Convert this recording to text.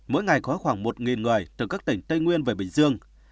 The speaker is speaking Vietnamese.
mỗi ngày có khoảng một người từ các tỉnh tây nguyên về bình dương